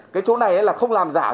cái chỗ này là không làm giảm